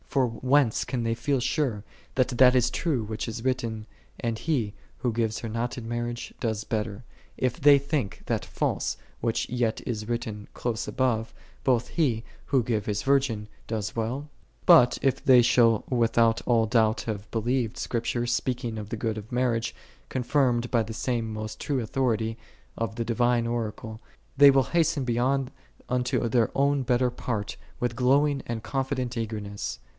For whence can they feel sure that that is true, which is written, *'And he, who gives her not in marriage, does better: "5 if they think that false, which yet is written close above, " Both he, who gives his virgin, does well?" But, if they shall without all doubt have believed Scripture speaking of the good of marriage, confirmed by the same most true authority of the divine oracle, they will hasten beyond unto their own better part with glow 1 i Cor. vii. 26. ' i Cor. vii. 28. Hist of Su ,.23. 4 i Cor. vii. 28. 5 i Cor. vii. 38. 424 Tin; WORKS OF ST. AUGUSTIN. ing and confident eagerness.